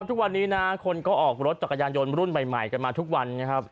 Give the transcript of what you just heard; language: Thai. ทุกวันนี้นะคนก็ออกรถจักรยานยนต์รุ่นใหม่กันมาทุกวันนะครับ